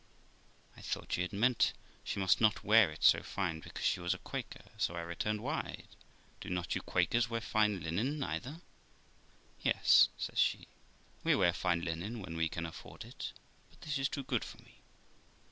I thought she had meant she must not wear it so fine because she was a Quaker. So I returned, 'Why; do not you Quakers wear fine linen neither?' 'Yes', says she, 'we wear fine linen when we can afford it, but this is too good for me.'